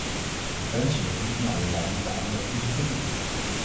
Preventie heeft niet in alle landen de aandacht die ze verdient.